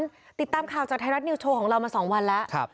ติดตามข่าวจากไทยรัฐนิวโชว์ของเรามา๒วันแล้ว